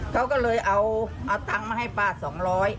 เขาก็เลยเอาเอาตังค์มาให้ป้า๒ล้อ